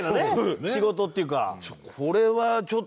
仕事っていうか。